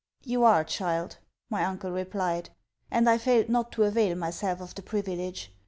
'You are, child,' my uncle replied; and I failed not to avail myself of the privilege.